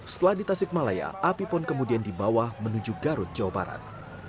setelah di tasikmalaya api pon kemudian dibawa menuju garut jawa barat